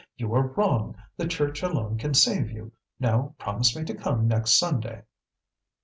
You are wrong, the Church alone can save you. Now promise me to come next Sunday."